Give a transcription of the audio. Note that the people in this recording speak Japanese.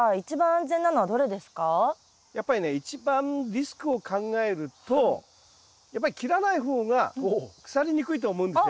やっぱりね一番リスクを考えるとやっぱり切らない方が腐りにくいと思うんですよ